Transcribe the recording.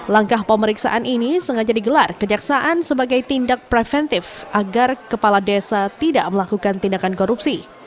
langkah pemeriksaan ini sengaja digelar kejaksaan sebagai tindak preventif agar kepala desa tidak melakukan tindakan korupsi